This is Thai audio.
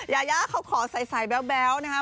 ยาย่าเขาขอใสแบวนะคะ